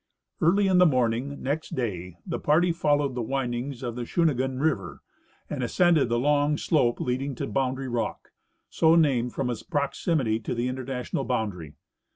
Early in the morning, next day, the party followed the wind ings of Sunaghun river, and ascended the long slope leading to Boundary rock, so named from its proximity to the international boundary.